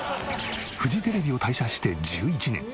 フジテレビを退社して１１年。